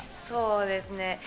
そうですね。